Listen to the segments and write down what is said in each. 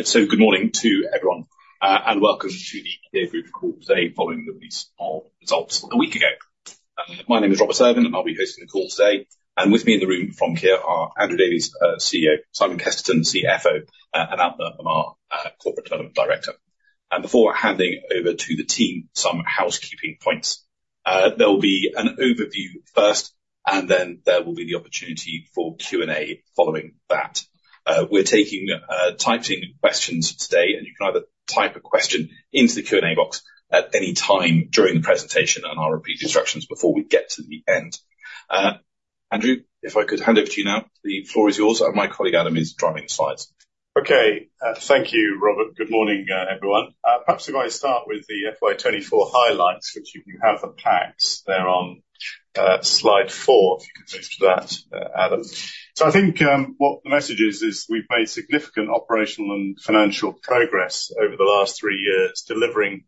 Good morning to everyone, and welcome to the Kier Group call today following the release of results a week ago. My name is Robert Irwin, and I'll be hosting the call today. With me in the room from Kier are Andrew Davies, our CEO, Simon Kesterton, CFO, and Alpna Amar, Corporate Development Director. Before handing over to the team, some housekeeping points. There will be an overview first, and then there will be the opportunity for Q&A following that. We're taking typed in questions today, and you can either type a question into the Q&A box at any time during the presentation, and I'll repeat instructions before we get to the end. Andrew, if I could hand over to you now, the floor is yours, and my colleague Adam is driving the slides. Okay. Thank you, Robert. Good morning, everyone. Perhaps if I start with the FY 2024 highlights, which you have the packs there on, slide 4, if you could move to that, Adam. So I think, what the message is, is we've made significant operational and financial progress over the last three years, delivering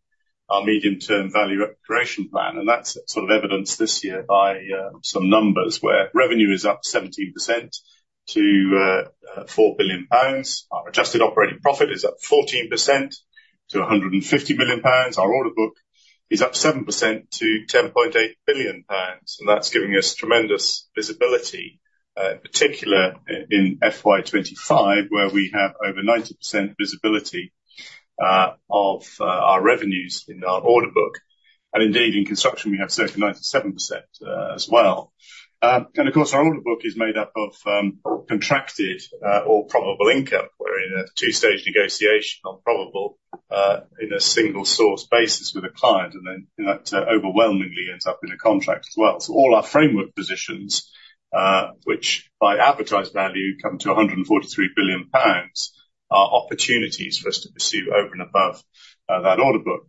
our Medium-Term Value Creation Plan, and that's sort of evidenced this year by, some numbers where revenue is up 17% to 4 billion pounds. Our Adjusted Operating Profit is up 14% to 150 million pounds. Our order book is up 7% to 10.8 billion pounds, and that's giving us tremendous visibility, in particular, in FY 2025, where we have over 90% visibility of our revenues in our order book, and indeed, in construction, we have circa 97% as well, and of course, our order book is made up of contracted or probable income. We're in a two-stage negotiation on probable in a single source basis with a client, and then that overwhelmingly ends up in a contract as well, so all our framework positions, which by advertised value come to 143 billion pounds, are opportunities for us to pursue over and above that order book.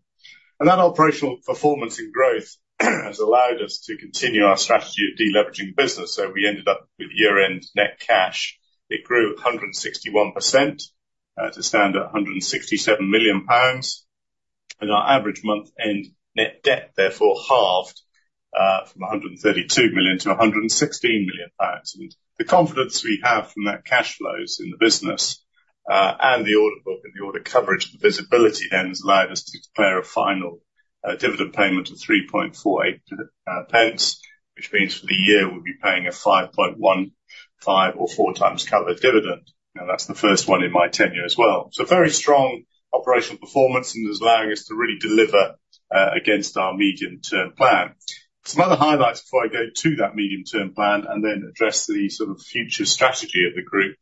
And that operational performance and growth has allowed us to continue our strategy of deleveraging the business, so we ended up with year-end net cash. It grew 161% to stand at 167 million pounds, and our average month-end net debt therefore halved from 132 million to 116 million pounds. And the confidence we have from that cash flows in the business and the order book and the order coverage and the visibility then has allowed us to declare a final dividend payment of 0.0348, which means for the year, we'll be paying a 0.0515 four times covered dividend. Now, that's the first one in my tenure as well. So very strong operational performance and is allowing us to really deliver against our medium-term plan. Some other highlights before I go to that medium-term plan and then address the sort of future strategy of the group.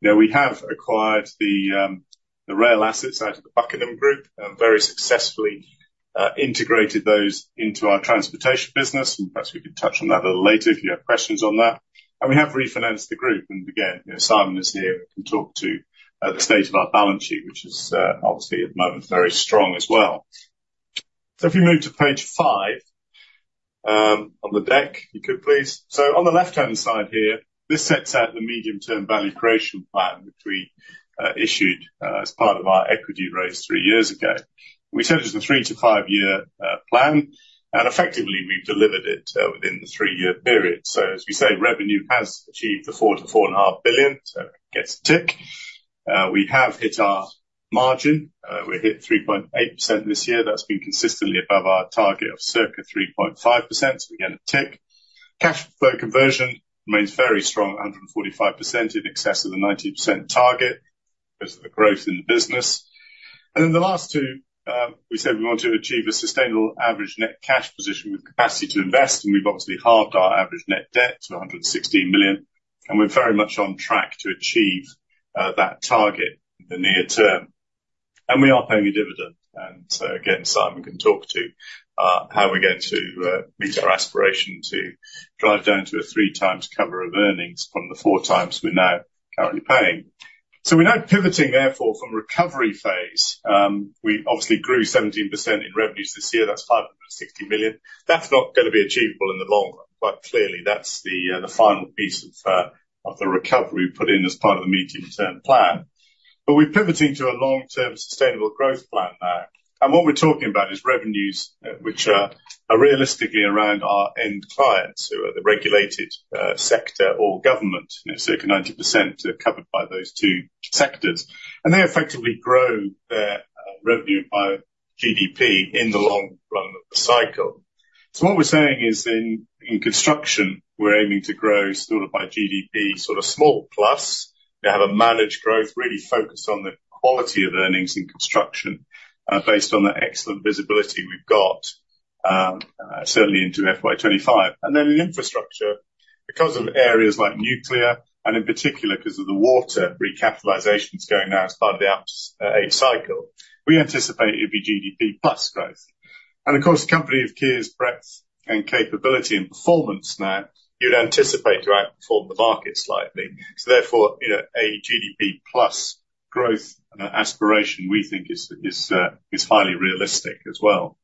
Now, we have acquired the rail assets out of the Buckingham Group, and very successfully integrated those into our transportation business, and perhaps we could touch on that a little later if you have questions on that. And we have refinanced the group. And again, you know, Simon is here and can talk to the state of our balance sheet, which is obviously, at the moment, very strong as well. So if you move to page five on the deck, you could, please. So on the left-hand side here, this sets out the Medium-Term Value Creation Plan, which we issued as part of our equity raise three years ago. We said it was a three to five-year plan, and effectively, we've delivered it within the three-year period. So as we say, revenue has achieved 4 billion-4.5 billion, so it gets a tick. We have hit our margin. We hit 3.8% this year. That's been consistently above our target of circa 3.5%. So again, a tick. Cash flow conversion remains very strong, 145%, in excess of the 90% target because of the growth in the business. Then the last two, we said we want to achieve a sustainable average net cash position with capacity to invest, and we've obviously halved our average net debt to 116 million, and we're very much on track to achieve that target in the near term. We are paying a dividend. So, again, Simon can talk to how we're going to meet our aspiration to drive down to a three times cover of earnings from the four times we're now currently paying. We're now pivoting, therefore, from recovery phase. We obviously grew 17% in revenues this year. That's 560 million. That's not gonna be achievable in the long run. Quite clearly, that's the final piece of the recovery we put in as part of the medium-term plan. But we're pivoting to a long-term, sustainable growth plan now, and what we're talking about is revenues, which are realistically around our end clients, who are the regulated sector or government. You know, circa 90% are covered by those two sectors, and they effectively grow their revenue by GDP in the long run of the cycle. So what we're saying is in construction, we're aiming to grow sort of by GDP, sort of small plus, to have a managed growth, really focused on the quality of earnings in construction, based on the excellent visibility we've got, certainly into FY 2025. And then in infrastructure, because of areas like nuclear, and in particular because of the water recapitalizations going now as part of the AMP8 cycle, we anticipate it'll be GDP plus growth. Of course, a company of Kier's breadth and capability and performance now, you'd anticipate to outperform the market slightly. Therefore, you know, a GDP plus growth aspiration, we think is highly realistic as well.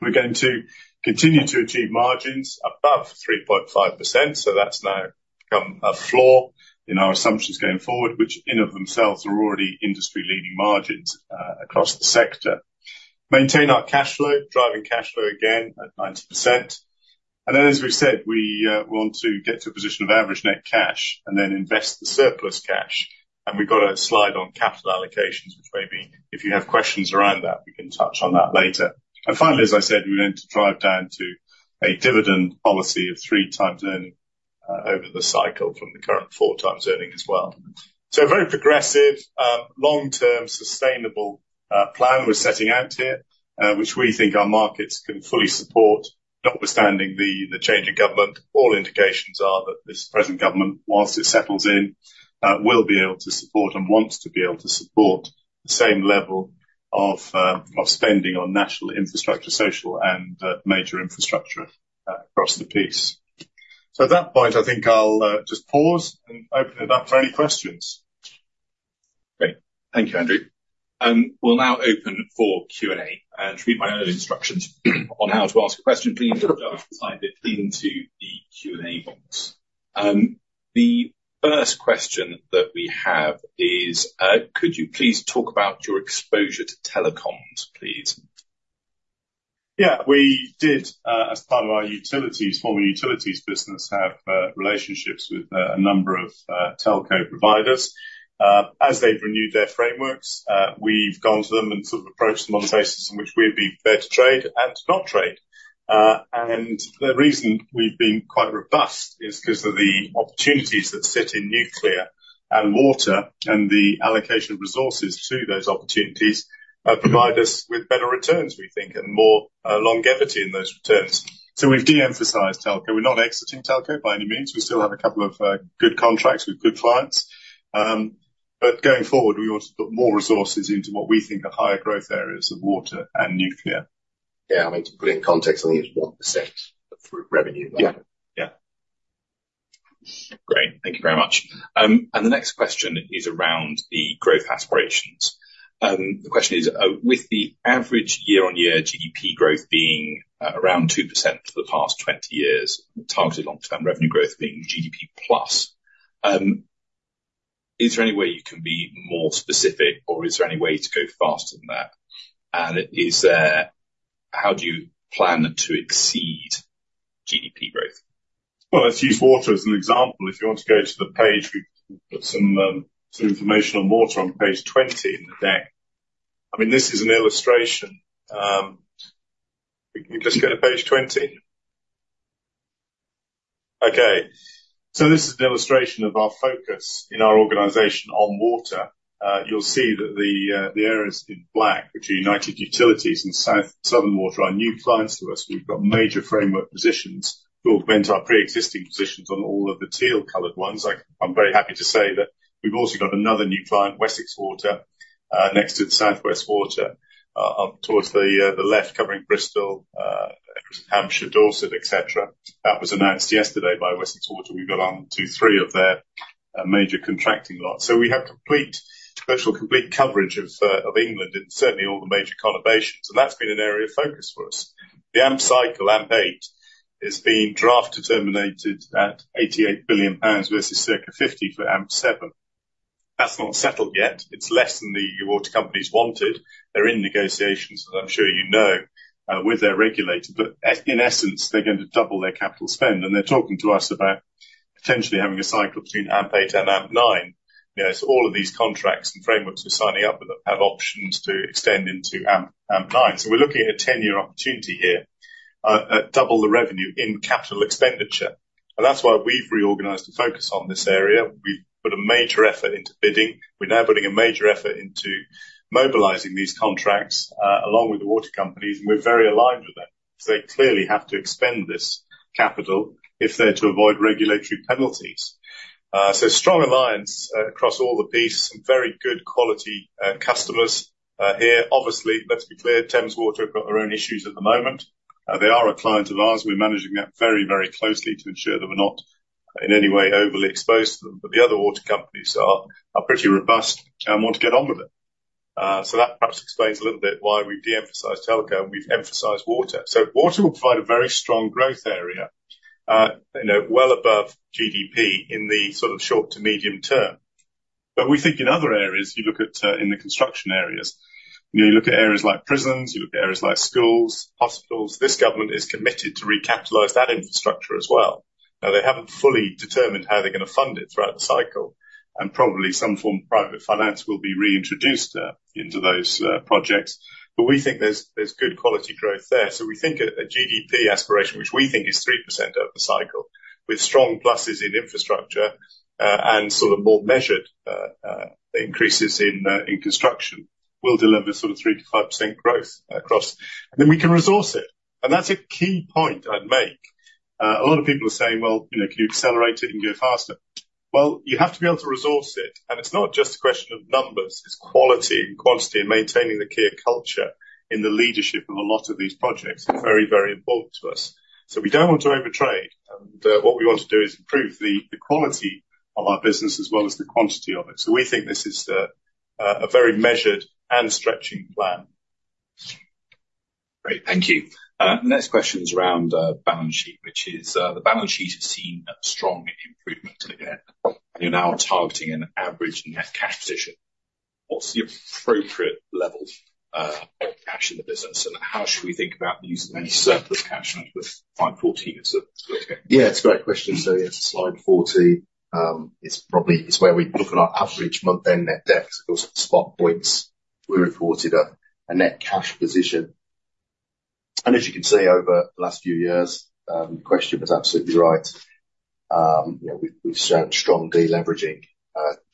We're going to continue to achieve margins above 3.5%, so that's now become a floor in our assumptions going forward, which in of themselves are already industry-leading margins across the sector. Maintain our cash flow, driving cash flow again at 90%. As we've said, we want to get to a position of average net cash and then invest the surplus cash. We've got a slide on capital allocations, which maybe if you have questions around that, we can touch on that later. Finally, as I said, we want to drive down to a dividend policy of three times earnings over the cycle from the current four times earnings as well. A very progressive long-term sustainable plan we're setting out here which we think our markets can fully support, notwithstanding the change in government. All indications are that this present government, while it settles in, will be able to support and wants to be able to support the same level of spending on national infrastructure, social and major infrastructure across the piece. At that point, I think I'll just pause and open it up for any questions. Great. Thank you, Andrew. We'll now open for Q&A, and to read my early instructions on how to ask a question, please drop it into the Q&A box. The first question that we have is, could you please talk about your exposure to telecoms, please? Yeah, we did, as part of our former utilities business, have relationships with a number of telco providers. As they've renewed their frameworks, we've gone to them and sort of approached them on the basis on which we'd be fair to trade and to not trade. The reason we've been quite robust is because of the opportunities that sit in nuclear and water, and the allocation of resources to those opportunities provide us with better returns, we think, and more longevity in those returns. So we've de-emphasized telco. We're not exiting telco by any means. We still have a couple of good contracts with good clients. But going forward, we want to put more resources into what we think are higher growth areas of water and nuclear. Yeah, I mean, to put it in context, I think it's 1% through revenue. Yeah. Yeah. Great. Thank you very much. And the next question is around the growth aspirations. The question is, with the average year-on-year GDP growth being around 2% for the past 20 years, targeted long-term revenue growth being GDP plus, is there any way you can be more specific, or is there any way to go faster than that? And is there-- how do you plan to exceed GDP growth? Let's use water as an example. If you want to go to the page, we've put some some information on water on page 20 in the deck. I mean, this is an illustration. We just go to page 20. Okay, so this is an illustration of our focus in our organization on water. You'll see that the areas in black, which are United Utilities and Southern Water, are new clients to us. We've got major framework positions to augment our pre-existing positions on all of the teal-colored ones. I'm very happy to say that we've also got another new client, Wessex Water, next to the South West Water, up towards the left, covering Bristol, Hampshire, Dorset, et cetera. That was announced yesterday by Wessex Water. We've got on to three of their major contracting lots. So we have complete, virtual complete coverage of, of England, and certainly all the major conurbations, and that's been an area of focus for us. The AMP cycle, AMP8, is being draft determined at 88 billion pounds versus circa 50 billion for AMP7. That's not settled yet. It's less than the water companies wanted. They're in negotiations, as I'm sure you know, with their regulator, but as in essence, they're going to double their capital spend, and they're talking to us about potentially having a cycle between AMP8 and AMP9. You know, so all of these contracts and frameworks we're signing up with them have options to extend into AMP9. So we're looking at a ten-year opportunity here, at double the revenue in capital expenditure. And that's why we've reorganized the focus on this area. We've put a major effort into bidding. We're now putting a major effort into mobilizing these contracts, along with the water companies, and we're very aligned with them. So they clearly have to expend this capital if they're to avoid regulatory penalties. Strong alliance across all the pieces, some very good quality customers here. Obviously, let's be clear, Thames Water have got their own issues at the moment. They are a client of ours. We're managing that very, very closely to ensure that we're not in any way overly exposed to them. But the other water companies are pretty robust and want to get on with it. So that perhaps explains a little bit why we've de-emphasized telco, and we've emphasized water. So water will provide a very strong growth area, you know, well above GDP in the sort of short to medium term. But we think in other areas, you look at, in the construction areas, you know, you look at areas like prisons, you look at areas like schools, hospitals. This government is committed to recapitalize that infrastructure as well. Now, they haven't fully determined how they're going to fund it throughout the cycle, and probably some form of private finance will be reintroduced into those projects, but we think there's good quality growth there. So we think a GDP aspiration, which we think is 3% over the cycle, with strong pluses in infrastructure and sort of more measured increases in construction, will deliver sort of 3%-5% growth across. And then we can resource it. And that's a key point I'd make. A lot of people are saying, "Well, you know, can you accelerate it and go faster?" Well, you have to be able to resource it, and it's not just a question of numbers. It's quality and quantity and maintaining the clear culture in the leadership of a lot of these projects. It's very, very important to us. So we don't want to overtrade, and what we want to do is improve the quality of our business as well as the quantity of it. So we think this is a very measured and stretching plan. Great. Thank you. The next question is around balance sheet, which is the balance sheet has seen a strong improvement again, and you're now targeting an average net cash position. What's the appropriate level of cash in the business, and how should we think about the use of any surplus cash with slide 14 as the... Yeah, it's a great question. So yes, slide 14 is probably is where we look at our average month-end net debt. Of course, spot points, we reported a net cash position. And as you can see over the last few years, your question was absolutely right. You know, we've shown strong deleveraging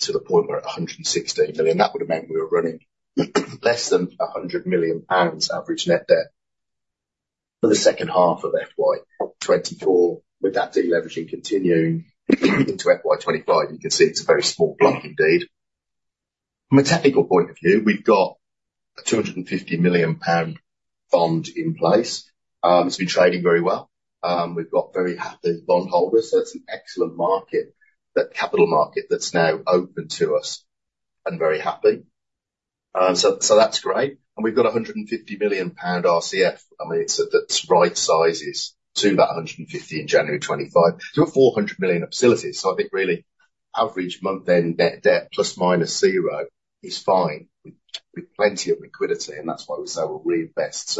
to the point where at 116 million, that would have meant we were running less than 100 million pounds average net debt for the second half of FY 2024, with that deleveraging continuing into FY 2025. You can see it's a very small block indeed. From a technical point of view, we've got a 250 million pound bond in place. It's been trading very well. We've got very happy bondholders, so it's an excellent market, that capital market, that's now open to us and very happy, so that's great, and we've got a 150 million pound RCF. I mean, it's that's right-sizes to that 150 million in January 2025. So a 400 million facility. So I think really average month-end net debt, plus or minus zero, is fine, with plenty of liquidity, and that's why we say we're really best.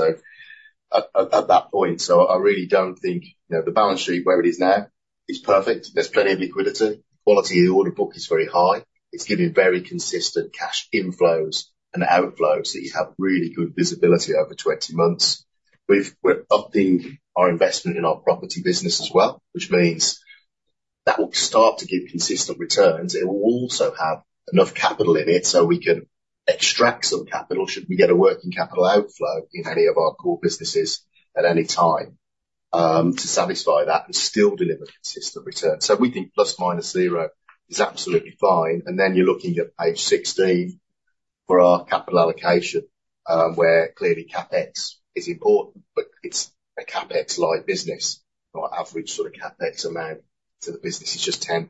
At that point, I really don't think, you know, the balance sheet, where it is now is perfect. There's plenty of liquidity. Quality of the order book is very high. It's giving very consistent cash inflows and outflows, so you have really good visibility over 20 months. We're upping our investment in our property business as well, which means that will start to give consistent returns. It will also have enough capital in it so we can extract some capital, should we get a working capital outflow in any of our core businesses at any time, to satisfy that and still deliver consistent returns. So we think plus or minus zero is absolutely fine, and then you're looking at page sixteen for our capital allocation, where clearly CapEx is important, but it's a CapEx-light business. Our average sort of CapEx amount to the business is just 10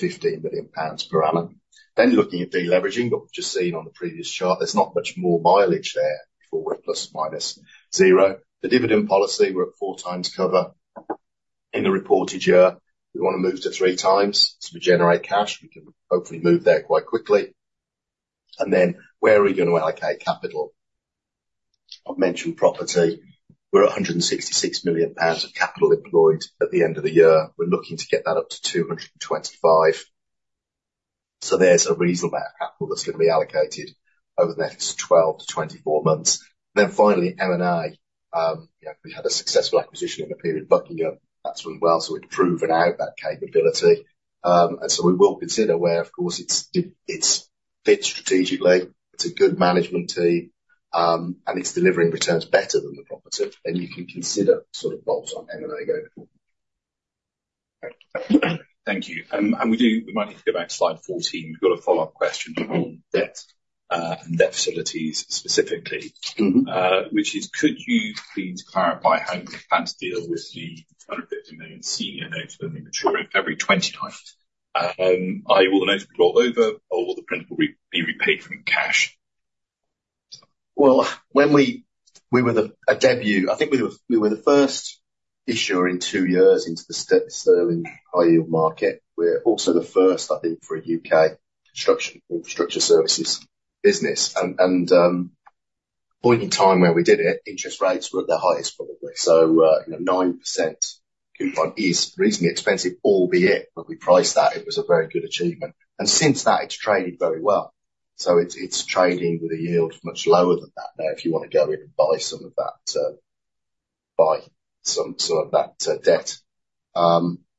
million-15 million pounds per annum. Then looking at deleveraging, what we've just seen on the previous chart, there's not much more mileage there for plus or minus zero. The dividend policy, we're at four times cover. In the reported year, we want to move to three times to generate cash. We can hopefully move there quite quickly, and then where are we going to allocate capital? I've mentioned property. We're at 166 million pounds of capital employed at the end of the year. We're looking to get that up to 225. So there's a reasonable amount of capital that's going to be allocated over the next 12-24 months, then finally, M&A. Yeah, we had a successful acquisition in the period, Buckingham. That's really well, so we've proven out that capability, and so we will consider where, of course, it's fit strategically, it's a good management team, and it's delivering returns better than the property, then you can consider sort of bolts on M&A going forward. Thank you, and we might need to go back to slide 14. We've got a follow-up question on debt, and debt facilities specifically. Mm-hmm. Could you please clarify how you plan to deal with the 150 million senior notes only maturing February 29? Are all the notes rolled over, or will the principal be repaid in cash? When we were, I think, the first issuer in two years into the Sterling high yield market. We're also the first, I think, for a UK construction, infrastructure services business. The point in time where we did it, interest rates were at their highest, probably. You know, 9% coupon is reasonably expensive, albeit when we priced that, it was a very good achievement. Since that, it's traded very well, so it's trading with a yield much lower than that now, if you want to go in and buy some of that debt.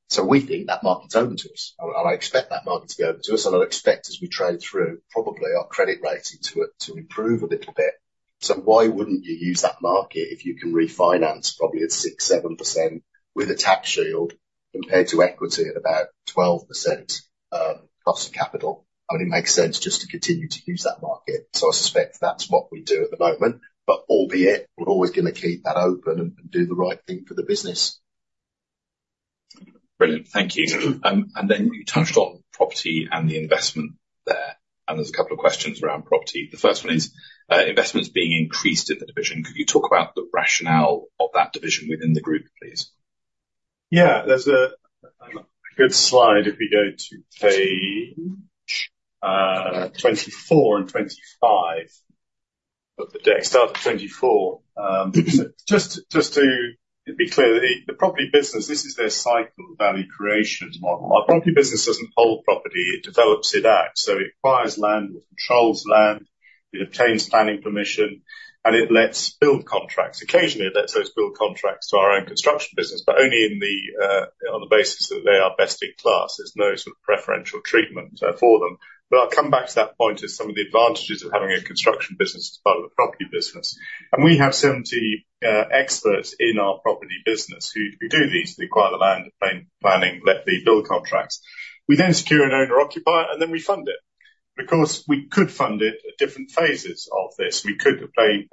So we think that market's open to us, and I expect that market to be open to us, and I'd expect, as we trade through, probably our credit rating to improve a little bit. So why wouldn't you use that market if you can refinance probably at 6%-7% with a tax shield compared to equity at about 12%, cost of capital? I mean, it makes sense just to continue to use that market. So I suspect that's what we'd do at the moment, but albeit, we're always gonna keep that open and do the right thing for the business. Brilliant. Thank you. And then you touched on property and the investment there, and there's a couple of questions around property. The first one is, investment is being increased in the division. Could you talk about the rationale of that division within the group, please? Yeah, there's a good slide if we go to page 24 and 25 of the deck. Start at 24. Just to be clear, the property business, this is their cycle value creation model. Our property business doesn't hold property, it develops it out. So it acquires land or controls land, it obtains planning permission, and it lets build contracts. Occasionally, it lets those build contracts to our own construction business, but only on the basis that they are best in class. There's no sort of preferential treatment for them. But I'll come back to that point as some of the advantages of having a construction business as part of the property business. And we have seventy experts in our property business who do these, they acquire the land, obtain planning, let the build contracts. We then secure an owner-occupier, and then we fund it. Because we could fund it at different phases of this. We could obtain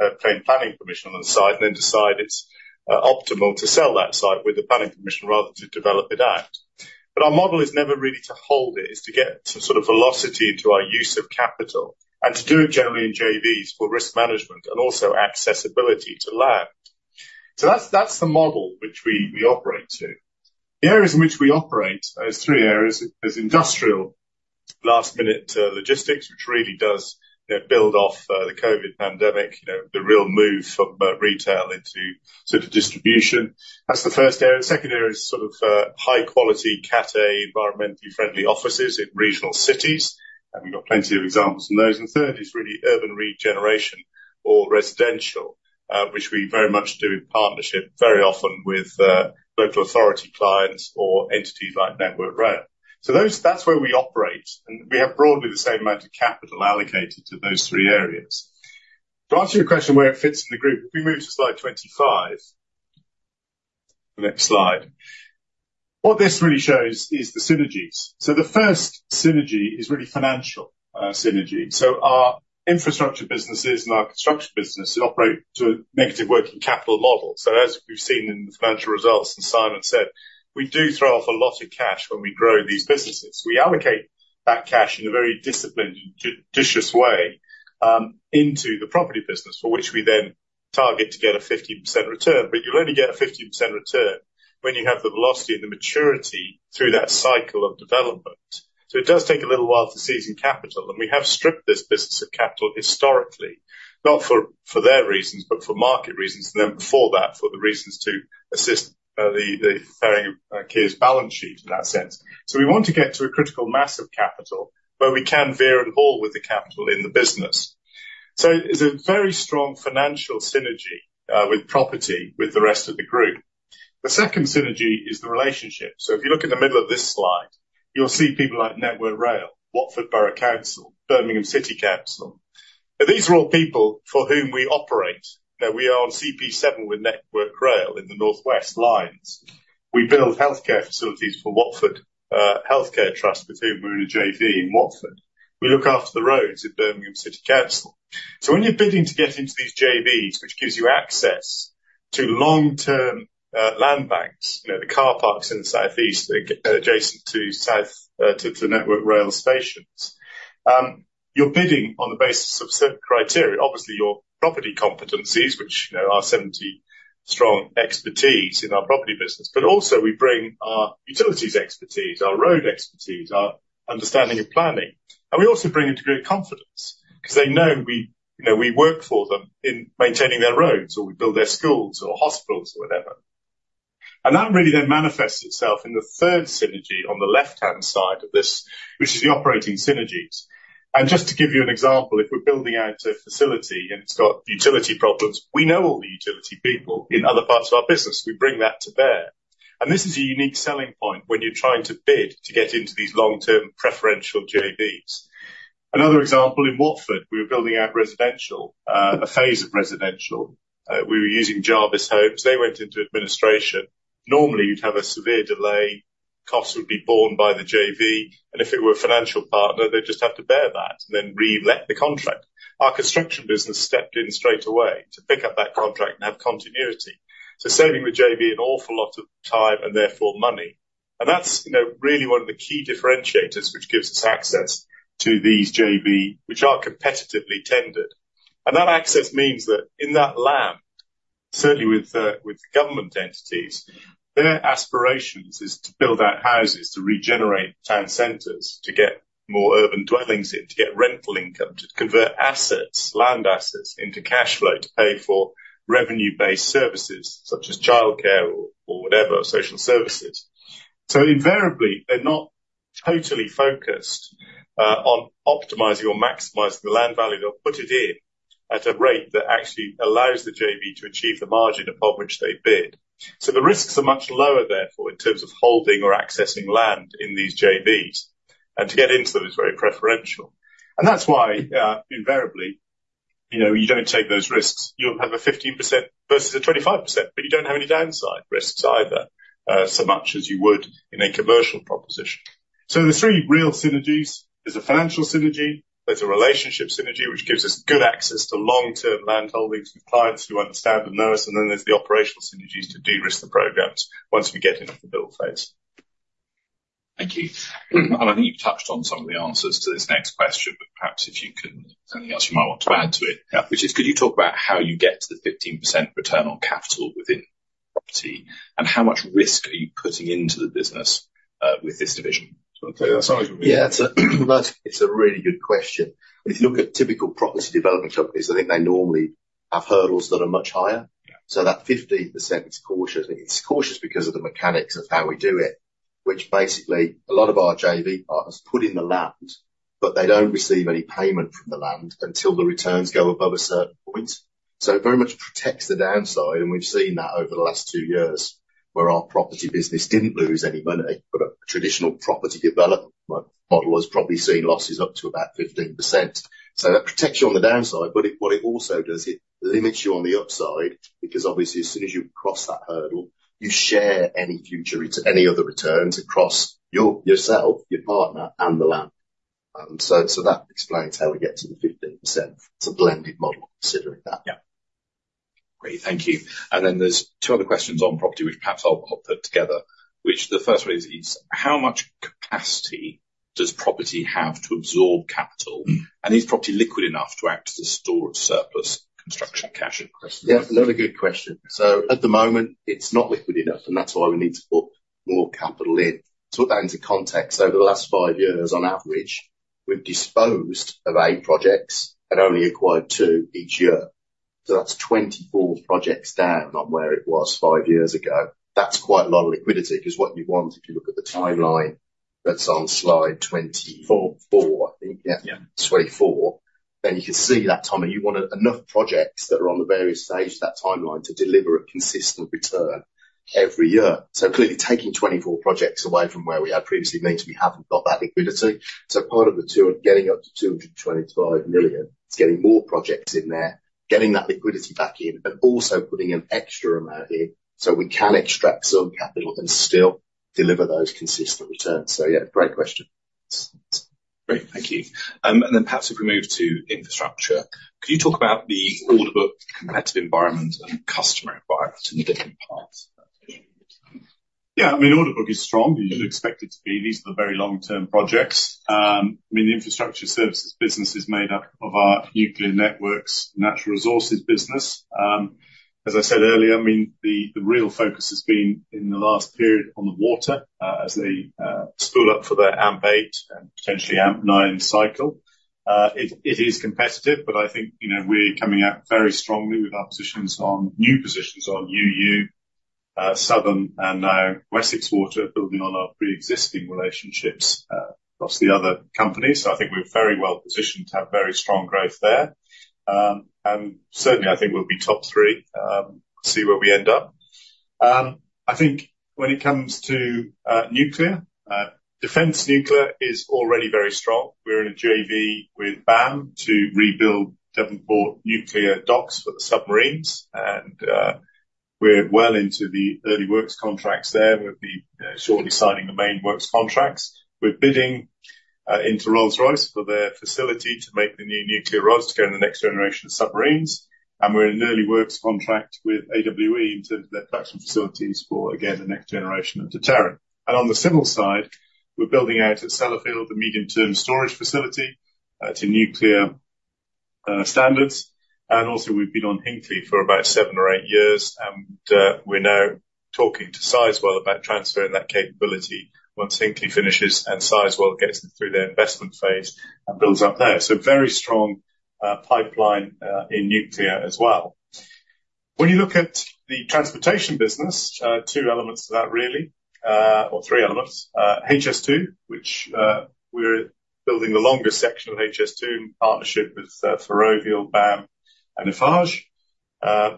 planning permission on the site and then decide it's optimal to sell that site with the planning permission rather than to develop it out. But our model is never really to hold it, it's to get some sort of velocity into our use of capital and to do it generally in JVs for risk management and also accessibility to land. So that's the model which we operate to. The areas in which we operate, those three areas, is industrial, last-mile logistics, which really does, you know, build off the COVID pandemic, you know, the real move from retail into sort of distribution. That's the first area. The second area is sort of high quality Cat A environmentally friendly offices in regional cities, and we've got plenty of examples in those. And third is really urban regeneration or residential, which we very much do in partnership very often with local authority clients or entities like Network Rail. So those. That's where we operate, and we have broadly the same amount of capital allocated to those three areas. To answer your question, where it fits in the group, if we move to slide 25. The next slide. What this really shows is the synergies. So the first synergy is really financial synergy. So our infrastructure businesses and our construction business operate to a negative working capital model. So as we've seen in the financial results, and Simon said, we do throw off a lot of cash when we grow these businesses. We allocate that cash in a very disciplined and judicious way into the property business, for which we then target to get a 15% return. But you'll only get a 15% return when you have the velocity and the maturity through that cycle of development. So it does take a little while to season capital, and we have stripped this business of capital historically, not for their reasons, but for market reasons, and then before that, for the reasons to assist the bearing of Kier's balance sheet in that sense. So we want to get to a critical mass of capital, where we can veer and haul with the capital in the business. So it's a very strong financial synergy with property with the rest of the group. The second synergy is the relationship. So if you look in the middle of this slide, you'll see people like Network Rail, Watford Borough Council, Birmingham City Council. These are all people for whom we operate. You know, we are on CP7 with Network Rail in the northwest lines. We build healthcare facilities for Watford Healthcare Trust, with whom we're in a JV in Watford. We look after the roads in Birmingham City Council. So when you're bidding to get into these JVs, which gives you access to long-term land banks, you know, the car parks in the southeast adjacent to south to Network Rail stations, you're bidding on the basis of certain criteria. Obviously, your property competencies, which you know, are 70 strong expertise in our property business, but also we bring our utilities expertise, our road expertise, our understanding of planning, and we also bring it to great confidence because they know we, you know, we work for them in maintaining their roads, or we build their schools or hospitals or whatever, and that really then manifests itself in the third synergy on the left-hand side of this, which is the operating synergies. And just to give you an example, if we're building out a facility, and it's got utility problems, we know all the utility people in other parts of our business. We bring that to bear, and this is a unique selling point when you're trying to bid to get into these long-term preferential JVs. Another example, in Watford, we were building out residential, a phase of residential. We were using Jarvis Homes. They went into administration. Normally, you'd have a severe delay. Costs would be borne by the JV, and if it were a financial partner, they'd just have to bear that and then relet the contract. Our construction business stepped in straight away to pick up that contract and have continuity, so saving the JV an awful lot of time and therefore money. And that's, you know, really one of the key differentiators, which gives us access to these JV, which are competitively tendered. And that access means that in that land, certainly with government entities, their aspirations is to build out houses, to regenerate town centers, to get more urban dwellings in, to get rental income, to convert assets, land assets, into cash flow, to pay for revenue-based services, such as childcare or whatever, social services. So invariably, they're not totally focused on optimizing or maximizing the land value. They'll put it in at a rate that actually allows the JV to achieve the margin upon which they bid. So the risks are much lower, therefore, in terms of holding or accessing land in these JVs, and to get into them is very preferential. And that's why, invariably, you know, you don't take those risks. You'll have a 15% versus a 25%, but you don't have any downside risks either, so much as you would in a commercial proposition. So the three real synergies, there's a financial synergy, there's a relationship synergy, which gives us good access to long-term land holdings with clients who understand and know us, and then there's the operational synergies to de-risk the programs once we get into the build phase. Thank you. And I think you've touched on some of the answers to this next question, but perhaps if you can, there's anything else you might want to add to it. Yeah. Which is, could you talk about how you get to the 15% return on capital within property, and how much risk are you putting into the business with this division? Do you want to take that, Simon? Yeah, it's a really good question. If you look at typical property development companies, I think they normally have hurdles that are much higher. Yeah. So that 15% is cautious. It's cautious because of the mechanics of how we do it, which basically a lot of our JV partners put in the land, but they don't receive any payment from the land until the returns go above a certain point. So it very much protects the downside, and we've seen that over the last two years, where our property business didn't lose any money. But a traditional property development model has probably seen losses up to about 15%. So that protects you on the downside, but it, what it also does, it limits you on the upside, because obviously, as soon as you cross that hurdle, you share any other returns across yourself, your partner, and the land. So that explains how we get to the 15%. It's a blended model considering that. Yeah. Great. Thank you. And then there's two other questions on property, which perhaps I'll put together, which the first one is, how much capacity does property have to absorb capital? And is property liquid enough to act as a store of surplus construction cash in question? Yeah, another good question. So at the moment, it's not liquid enough, and that's why we need to put more capital in. To put that into context, over the last five years, on average, we've disposed of eight projects and only acquired two each year. So that's 24 projects down on where it was five years ago. That's quite low liquidity, because what you want, if you look at the timeline that's on slide 20- Four. Four, I think. Yeah. Yeah. 24. Then you can see that, Tommy, you wanted enough projects that are on the various stages of that timeline to deliver a consistent return every year. So clearly, taking 24 projects away from where we had previously means we haven't got that liquidity. So part of the two - getting up to 225 million is getting more projects in there, getting that liquidity back in, and also putting an extra amount in, so we can extract some capital and still deliver those consistent returns. So yeah, great question. Great, thank you. And then perhaps if we move to infrastructure, could you talk about the order book, competitive environment, and customer environment in the different parts? Yeah, I mean, order book is strong. You'd expect it to be. These are the very long-term projects. I mean, the infrastructure services business is made up of our nuclear networks, natural resources business. As I said earlier, I mean, the real focus has been in the last period on the water, as they spool up for their AMP8 and potentially AMP9 cycle. It is competitive, but I think, you know, we're coming out very strongly with our positions on new positions on UU, Southern, and now Wessex Water, building on our pre-existing relationships across the other companies. So I think we're very well positioned to have very strong growth there. And certainly, I think we'll be top three, see where we end up. I think when it comes to nuclear, defense nuclear is already very strong. We're in a JV with BAM to rebuild Devonport nuclear docks for the submarines, and we're well into the early works contracts there. We'll be shortly signing the main works contracts. We're bidding into Rolls-Royce for their facility to make the new nuclear rods to go in the next generation of submarines. And we're in an early works contract with AWE into their production facilities for, again, the next generation of deterrent. And on the civil side, we're building out at Sellafield, the medium-term storage facility to nuclear standards. And also, we've been on Hinkley for about seven or eight years, and we're now talking to Sizewell about transferring that capability once Hinkley finishes and Sizewell gets them through their investment phase and builds up there. Very strong pipeline in nuclear as well. When you look at the transportation business, two elements to that, really, or three elements. HS2, which we're building the longest section of HS2 in partnership with Ferrovial, BAM, and Eiffage.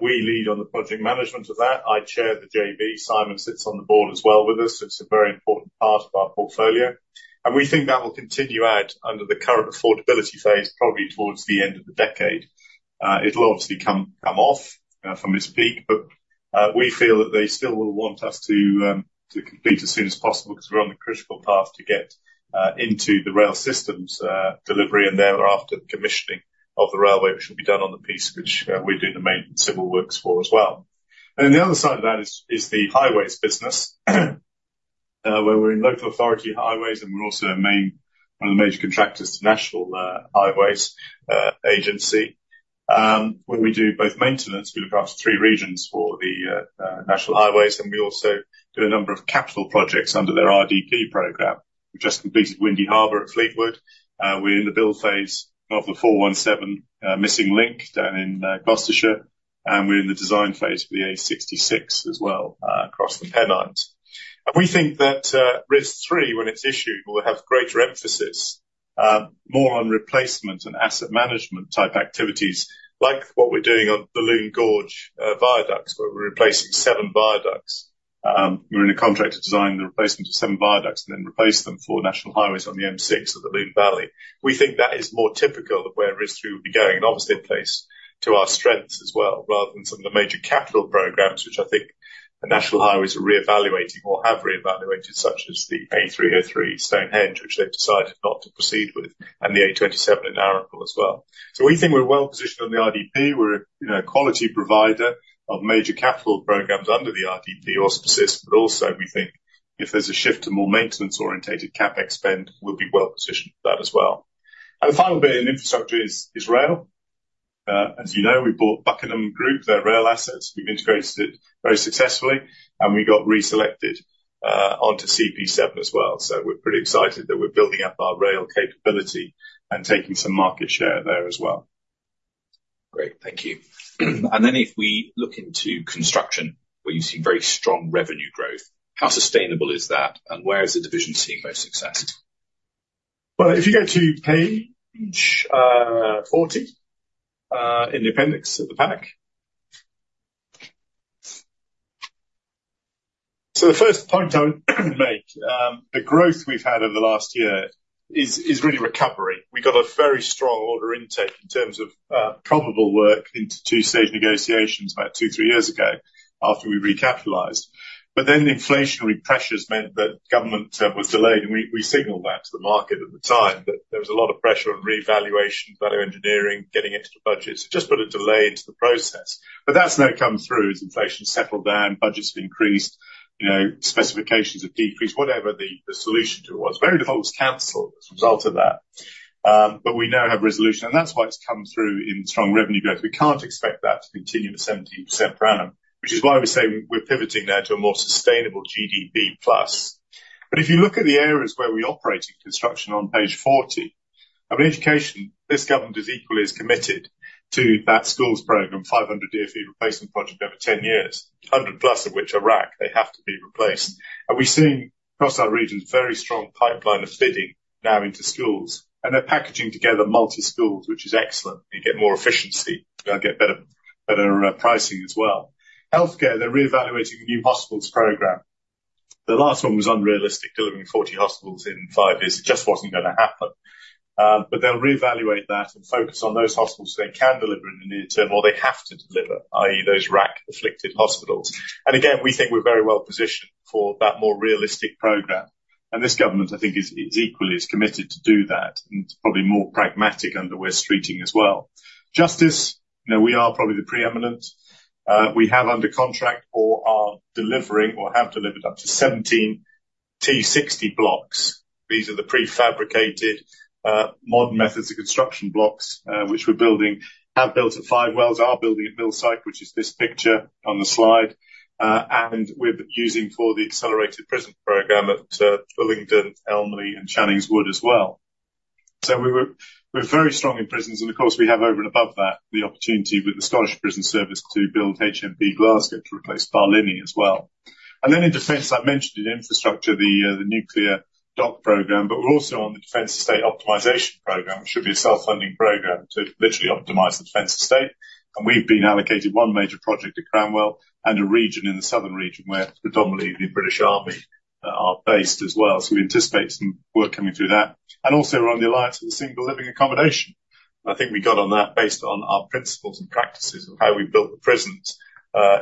We lead on the project management of that. I chair the JV. Simon sits on the board as well with us. It's a very important part of our portfolio, and we think that will continue out under the current affordability phase, probably towards the end of the decade. It'll obviously come off from its peak, but we feel that they still will want us to complete as soon as possible, because we're on the critical path to get into the rail systems delivery and thereafter, the commissioning of the railway, which will be done on the piece, which we do the main civil works for as well. Then the other side of that is the highways business, where we're in local authority highways, and we're also a main one of the major contractors to National Highways Agency. Where we do both maintenance, we look after three regions for the National Highways, and we also do a number of capital projects under their RDP program. We've just completed Windy Harbour at Fleetwood. We're in the build phase of the A417 Missing Link down in Gloucestershire, and we're in the design phase for the A66 as well across the Pennines, and we think that RIS3, when it's issued, will have greater emphasis more on replacement and asset management type activities, like what we're doing on the Lune Gorge viaducts, where we're replacing seven viaducts. We're in a contract to design the replacement of seven viaducts and then replace them for National Highways on the M6 of the Lune Valley. We think that is more typical of where RIS3 will be going, and obviously it plays to our strengths as well, rather than some of the major capital programs, which I think the National Highways are reevaluating or have reevaluated, such as the A303 Stonehenge, which they've decided not to proceed with, and the A27 in Arundel as well, so we think we're well positioned on the RDP. We're, you know, a quality provider of major capital programs under the RDP auspices, but also we think if there's a shift to more maintenance-oriented CapEx spend, we'll be well positioned for that as well, and the final bit in infrastructure is rail. As you know, we bought Buckingham Group, their rail assets. We've integrated it very successfully, and we got reselected onto CP7 as well. We're pretty excited that we're building up our rail capability and taking some market share there as well. Great, thank you. And then if we look into construction, where you've seen very strong revenue growth, how sustainable is that, and where is the division seeing most success? If you go to page 40 in the appendix at the back. The first point I would make, the growth we've had over the last year is really recovery. We got a very strong order intake in terms of probable work into two stage negotiations about two, three years ago after we recapitalized. But then the inflationary pressures meant that government was delayed, and we signaled that to the market at the time, that there was a lot of pressure on revaluation, value engineering, getting extra budgets. It just put a delay into the process, but that's now come through as inflation settled down, budgets have increased, you know, specifications have decreased, whatever the solution to it was. Very little was canceled as a result of that, but we now have resolution, and that's why it's come through in strong revenue growth. We can't expect that to continue at 17% per annum. Which is why we say we're pivoting now to a more sustainable GDP plus. But if you look at the areas where we operate in construction on page 40, I mean, education, this government is equally as committed to that schools program, 500 DfE replacement project over 10 years, 100+ of which are RAAC, they have to be replaced. And we're seeing across our regions, very strong pipeline of feeding now into schools, and they're packaging together multi-schools, which is excellent. You get more efficiency, you get better, better, pricing as well. Healthcare, they're reevaluating the New Hospital Programme. The last one was unrealistic, delivering 40 hospitals in five years. It just wasn't going to happen, but they'll reevaluate that and focus on those hospitals they can deliver in the near term, or they have to deliver, i.e., those RAAC-afflicted hospitals. And again, we think we're very well positioned for that more realistic program, and this government, I think, is, is equally as committed to do that, and probably more pragmatic under Wes Streeting as well. Justice, you know, we are probably the preeminent. We have under contract or are delivering or have delivered up to 17 T60 blocks. These are the prefabricated, modern methods of construction blocks, which we're building, have built at Five Wells, are building at Millsike, which is this picture on the slide, and we're using for the accelerated prison program at, Bullingdon, Elmley and Channings Wood as well. We're very strong in prisons, and of course, we have over and above that, the opportunity with the Scottish Prison Service to build HMP Glasgow to replace Barlinnie as well. Then in defense, I mentioned in infrastructure, the nuclear dock program, but we're also on the Defence Estate Optimisation program, which should be a self-funding program to literally optimize the defense estate. We've been allocated one major project at Cranwell and a region in the southern region, where predominantly the British Army are based as well. We anticipate some work coming through that. Also we're on the alliance of the Single Living Accommodation. I think we got on that based on our principles and practices of how we built the prisons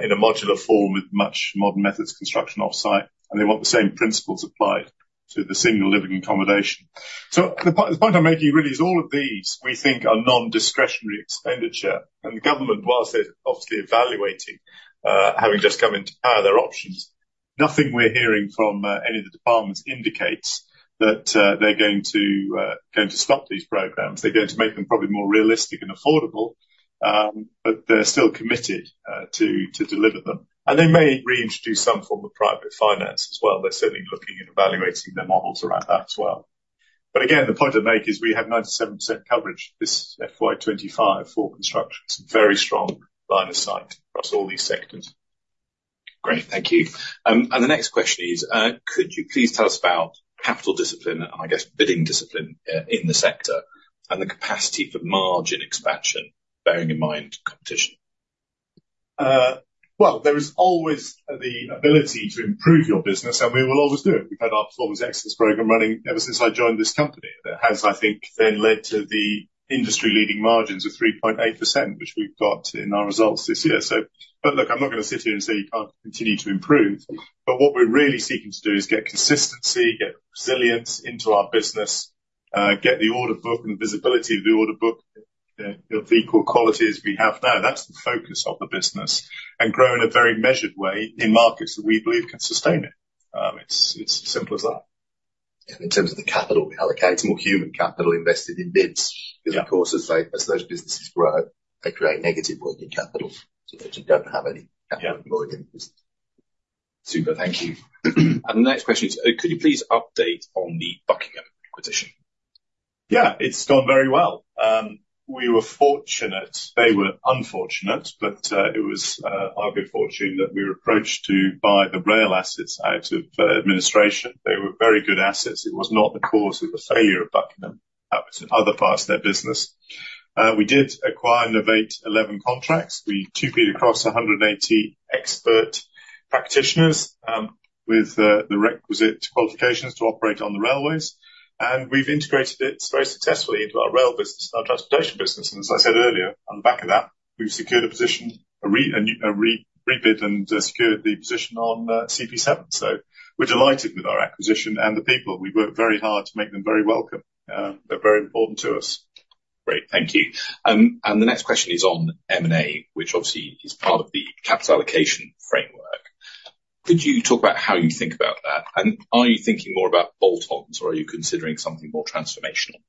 in a modular form with much modern methods, construction off-site, and they want the same principles applied to the Single Living Accommodation. So the point I'm making really is all of these, we think, are non-discretionary expenditure, and the government, whilst they're obviously evaluating, having just come into power, their options, nothing we're hearing from any of the departments indicates that they're going to stop these programs. They're going to make them probably more realistic and affordable, but they're still committed to deliver them. And they may reintroduce some form of private finance as well. They're certainly looking and evaluating their models around that as well. But again, the point I make is we have 97% coverage, this FY 2025 for construction. It's a very strong line of sight across all these sectors. Great. Thank you, and the next question is, could you please tell us about capital discipline and, I guess, bidding discipline, in the sector, and the capacity for margin expansion, bearing in mind competition? Well, there is always the ability to improve your business, and we will always do it. We've had our Performance Excellence program running ever since I joined this company. That has, I think, then led to the industry-leading margins of 3.8%, which we've got in our results this year. But look, I'm not going to sit here and say you can't continue to improve, but what we're really seeking to do is get consistency, get resilience into our business, get the order book and the visibility of the order book, of equal quality as we have now. That's the focus of the business, and grow in a very measured way in markets that we believe can sustain it. It's as simple as that. And in terms of the capital, we allocate more human capital invested in bids. Yeah. because, of course, as they, as those businesses grow, they create negative working capital, so that you don't have any- Yeah. Capital employed in the business. Super. Thank you. And the next question is, could you please update on the Buckingham acquisition? Yeah, it's gone very well. We were fortunate. They were unfortunate, but it was our good fortune that we were approached to buy the rail assets out of administration. They were very good assets. It was not the cause of the failure of Buckingham Group. That was in other parts of their business. We did acquire and novate 11 contracts. We TUPE'd across 180 expert practitioners with the requisite qualifications to operate on the railways, and we've integrated it very successfully into our rail business and our transportation business. And as I said earlier, on the back of that, we've secured a position, a rebid and secured the position on CP7. So we're delighted with our acquisition and the people. We've worked very hard to make them very welcome. They're very important to us. Great. Thank you, and the next question is on M&A, which obviously is part of the capital allocation framework. Could you talk about how you think about that, and are you thinking more about bolt-ons, or are you considering something more transformational?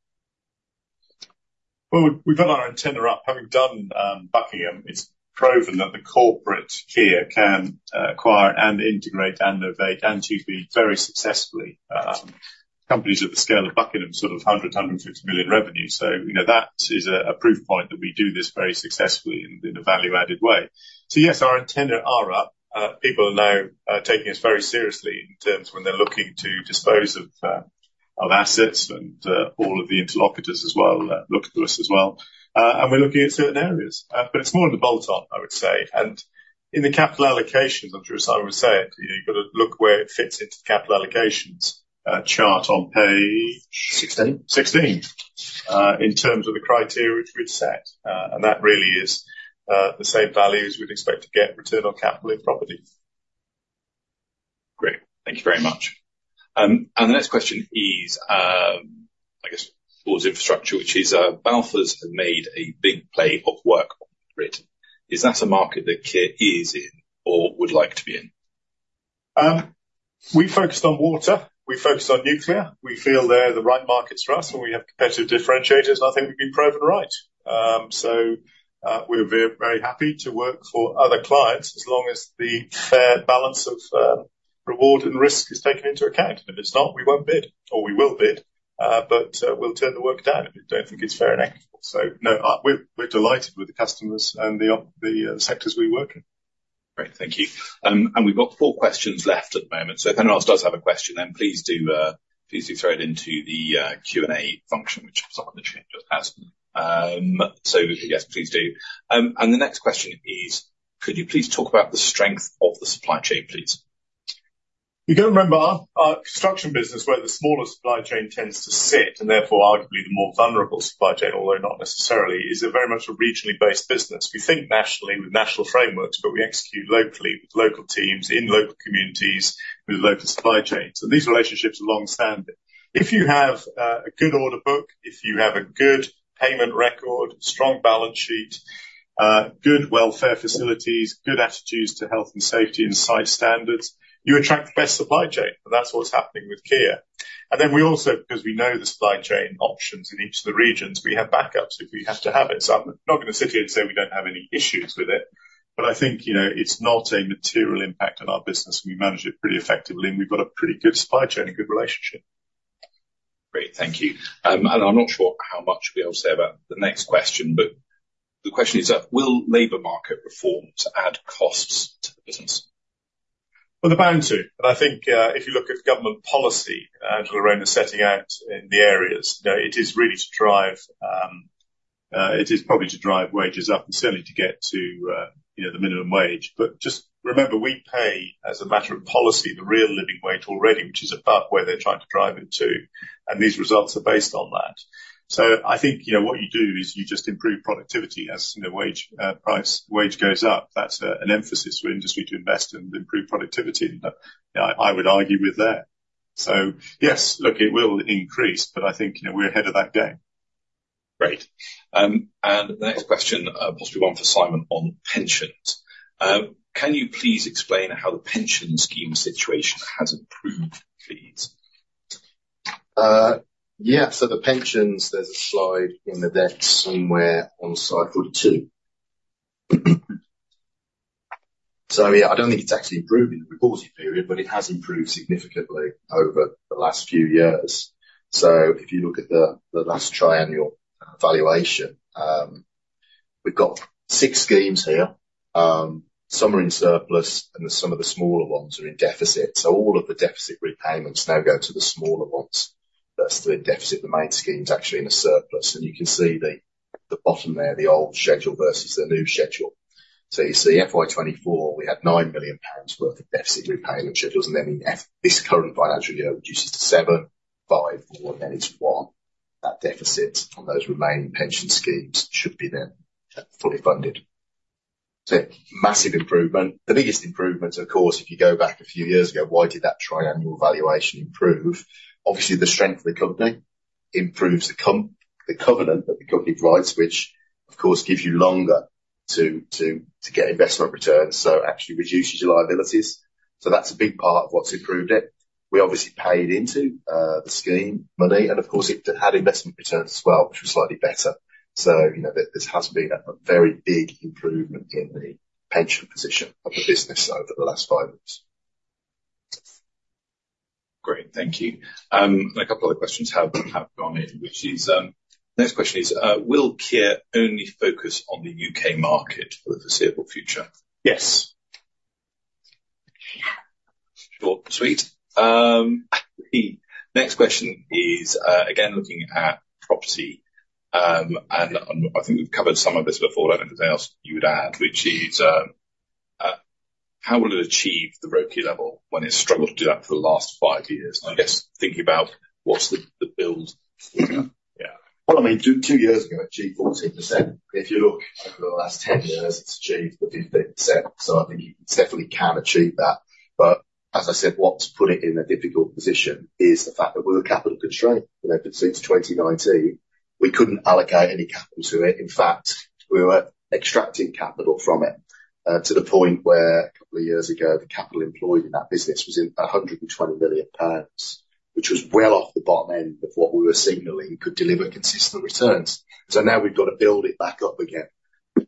We've got our antenna up. Having done Buckingham, it's proven that the corporate here can acquire and integrate and novate and TUPE very successfully. Companies of the scale of Buckingham, sort of 160 million revenue. So, you know, that is a proof point that we do this very successfully and in a value-added way. So yes, our antenna are up. People are now taking us very seriously in terms when they're looking to dispose of assets, and all of the interlocutors as well look to us as well. And we're looking at certain areas, but it's more of a bolt-on, I would say. And in the capital allocations, I'm sure Simon will say it, you know, you've got to look where it fits into the capital allocations chart on page... Sixteen. 16, in terms of the criteria which we've set, and that really is the same value as we'd expect to get return on capital in property. Great. Thank you very much. And the next question is, I guess, towards infrastructure, which is, Balfour have made a big play of work on grid. Is that a market that Kier is in or would like to be in? We focused on water, we focused on nuclear. We feel they're the right markets for us, and we have competitive differentiators, and I think we've been proven right. So, we're very happy to work for other clients as long as the fair balance of reward and risk is taken into account. If it's not, we won't bid, or we will bid, but we'll turn the work down if we don't think it's fair and equitable. So, no, we're delighted with the customers and the sectors we work in. Great, thank you. And we've got four questions left at the moment, so if anyone else does have a question, then please do, please do throw it into the Q&A function, which was up on the chat just as. So yes, please do. And the next question is, could you please talk about the strength of the supply chain, please? You've got to remember our construction business, where the smaller supply chain tends to sit, and therefore arguably the more vulnerable supply chain, although not necessarily, is a very much a regionally based business. We think nationally with national frameworks, but we execute locally with local teams in local communities with local supply chains, and these relationships are long-standing. If you have a good order book, if you have a good payment record, strong balance sheet, good welfare facilities, good attitudes to health and safety and site standards, you attract the best supply chain, and that's what's happening with Kier. And then we also, because we know the supply chain options in each of the regions, we have backups if we have to have it. So I'm not going to sit here and say we don't have any issues with it, but I think, you know, it's not a material impact on our business, and we manage it pretty effectively, and we've got a pretty good supply chain and good relationship. Great, thank you, and I'm not sure how much you'll be able to say about the next question, but the question is, will labor market reform to add costs to the business? They're bound to, but I think if you look at government policy, the Labour is setting out in the areas, you know. It is probably to drive wages up and certainly to get to, you know, the minimum wage. But just remember, we pay, as a matter of policy, the real living wage already, which is above where they're trying to drive it to, and these results are based on that. I think, you know, what you do is you just improve productivity. As the wage price wage goes up, that's an emphasis for industry to invest and improve productivity. Yeah, I would argue with that. Yes, look, it will increase, but I think, you know, we're ahead of that game. Great. And the next question, possibly one for Simon on pensions. Can you please explain how the pension scheme situation has improved, please? Yeah. So the pensions, there's a slide in the deck somewhere on slide 42. So, yeah, I don't think it's actually improved in the reporting period, but it has improved significantly over the last few years. So if you look at the last triennial valuation, we've got six schemes here. Some are in surplus, and some of the smaller ones are in deficit. So all of the deficit repayments now go to the smaller ones. That's the deficit. The main scheme is actually in a surplus. And you can see the bottom there, the old schedule versus the new schedule. So you see FY 2024, we had 9 million pounds worth of deficit repayment schedules, and then in this current financial year, it reduces to 7, 5, 4, and then it's 1. That deficit on those remaining pension schemes should be then fully funded. So massive improvement. The biggest improvement, of course, if you go back a few years ago, why did that triennial valuation improve? Obviously, the strength of the company improves the covenant that the company provides, which, of course, gives you longer to get investment returns, so actually reduces your liabilities. So that's a big part of what's improved it. We obviously paid into the scheme money, and of course, it had investment returns as well, which were slightly better. So, you know, this has been a very big improvement in the pension position of the business over the last five years. Great, thank you. A couple of other questions have gone in, which is... The next question is, will Kier only focus on the UK market for the foreseeable future? Yes. Short and sweet. The next question is, again, looking at property, and I think we've covered some of this before. I don't know if there's anything else you would add, which is, how will it achieve the ROCE level when it's struggled to do that for the last five years? I guess thinking about what's the build. Yeah. Yeah. I mean, two, two years ago, it achieved 14%. If you look over the last 10 years, it's achieved the 15%, so I think it definitely can achieve that. But as I said, what's put it in a difficult position is the fact that we were capital constrained. You know, since 2019, we couldn't allocate any capital to it. In fact, we were extracting capital from it to the point where a couple of years ago, the capital employed in that business was 120 million pounds, which was well off the bottom end of what we were signaling could deliver consistent returns. Now we've got to build it back up again.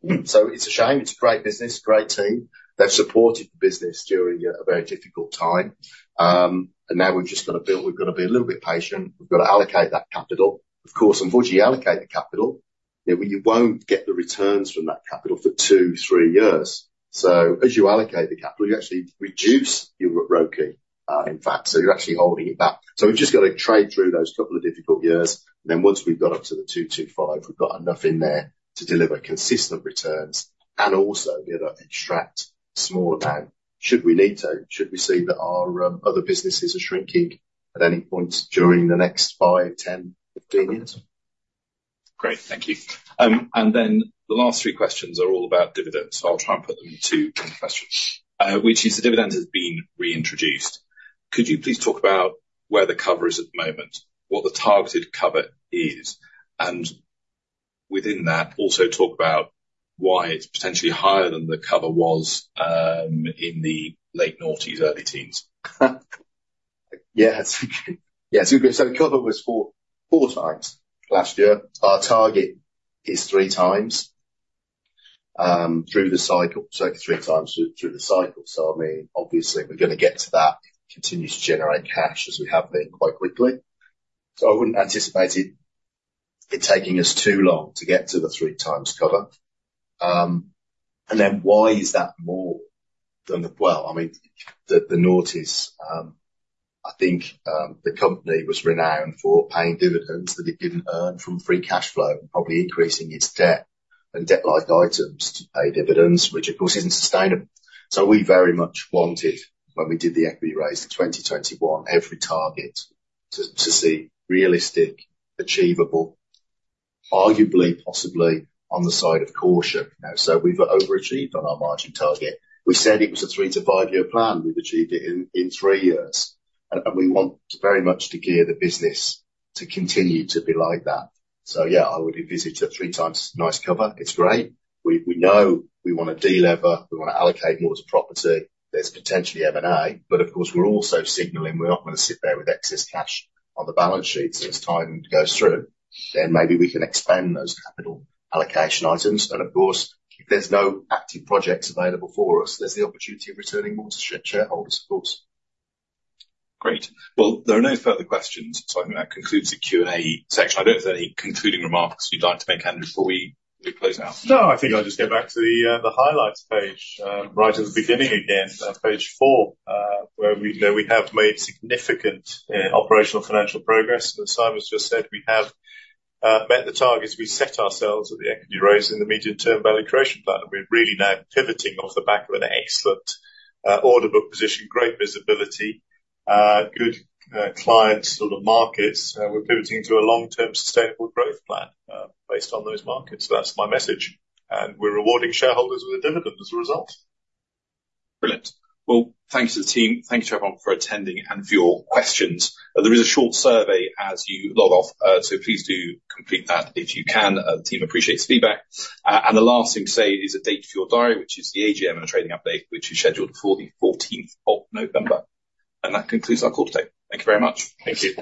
It's a shame. It's a great business, great team. They've supported the business during a very difficult time. And now we've just got to build. We've got to be a little bit patient. We've got to allocate that capital. Of course, unfortunately, allocate the capital, you know, you won't get the returns from that capital for two, three years. So as you allocate the capital, you actually reduce your ROCE, in fact, so you're actually holding it back. So we've just got to trade through those couple of difficult years, and then once we've got up to the 225, we've got enough in there to deliver consistent returns and also be able to extract a small amount, should we need to, should we see that our other businesses are shrinking at any point during the next five, ten, fifteen years. Great, thank you. And then the last three questions are all about dividends. I'll try and put them to two questions. Which is, the dividend has been reintroduced. Could you please talk about where the cover is at the moment, what the targeted cover is, and. Within that, also talk about why it's potentially higher than the cover was, in the late noughties, early teens? Yes. Yes, so cover was four times last year. Our target is three times through the cycle. So I mean, obviously, we're gonna get to that, continue to generate cash as we have been quite quickly. So I wouldn't anticipate it taking us too long to get to the three times cover. And then why is that more than the-- Well, I mean, the noughties, I think, the company was renowned for paying dividends that it didn't earn from free cash flow, and probably increasing its debt and debt-like items to pay dividends, which of course, isn't sustainable. So we very much wanted, when we did the equity raise in 2021, every target to see realistic, achievable, arguably, possibly on the side of caution, you know, so we've overachieved on our margin target. We said it was a three to five-year plan. We've achieved it in three years, and we want very much to gear the business to continue to be like that. So yeah, I would envisage a three times dividend cover. It's great. We know we want to delever, we want to allocate more to property. There's potentially M&A, but of course, we're also signaling we're not gonna sit there with excess cash on the balance sheets as time goes through. Then maybe we can expand those capital allocation items, and of course, if there's no active projects available for us, there's the opportunity of returning more to shareholders, of course. Great. Well, there are no further questions, so that concludes the Q&A section. I don't know if there are any concluding remarks you'd like to make, Andrew, before we close out? No, I think I'll just get back to the highlights page right at the beginning again, page four, where we know we have made significant operational financial progress, and as Simon's just said, we have met the targets we set ourselves at the equity raise in the Medium-Term Value Creation Plan. We're really now pivoting off the back of an excellent order book position, great visibility, good client sort of markets. We're pivoting to a long-term sustainable growth plan based on those markets. So that's my message, and we're rewarding shareholders with a dividend as a result. Brilliant. Well, thank you to the team. Thank you to everyone for attending and for your questions. There is a short survey as you log off, so please do complete that if you can. The team appreciates feedback. And the last thing to say is a date for your diary, which is the AGM and the trading update, which is scheduled for the fourteenth of November. And that concludes our call today. Thank you very much. Thank you.